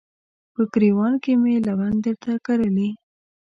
په ګریوان کې مې لونګ درته کرلي